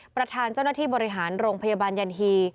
ประธานเจ้าหน้าที่บริหารโรงพยาบาลยันฮี